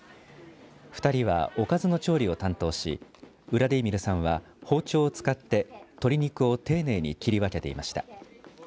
２人は、おかずの調理を担当しウラディーミルさんは包丁を使って鶏肉を丁寧に切り分けていました。